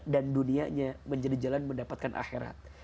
dan dunianya menjadi jalan mendapatkan akhirat